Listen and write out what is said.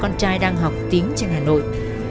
con trai đang học tiếng trên hà nội